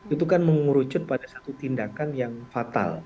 itu kan mengerucut pada satu tindakan yang fatal